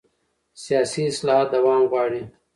سیاسي اصلاحات دوام غواړي